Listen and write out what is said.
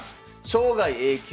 生涯Ａ級。